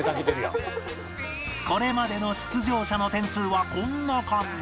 これまでの出場者の点数はこんな感じ